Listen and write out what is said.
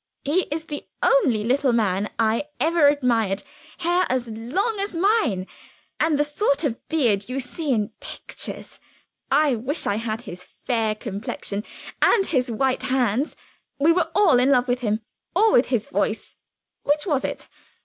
He is the only little man I ever admired hair as long as mine, and the sort of beard you see in pictures. I wish I had his fair complexion and his white hands. We were all in love with him or with his voice, which was it?